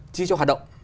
chi cho hoạt động